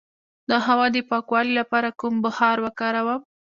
د هوا د پاکوالي لپاره کوم بخار وکاروم؟